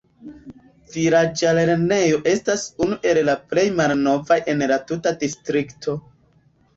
Vilaĝa lernejo estas unu el la plej malnovaj en la tuta distrikto.